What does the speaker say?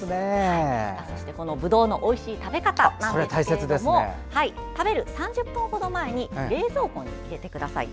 そして、ブドウのおいしい食べ方なんですけれども食べる３０分前に冷蔵庫へ入れてください。